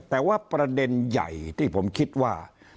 แต่ว่าประเด็นใหญ่ที่ผมคิดว่า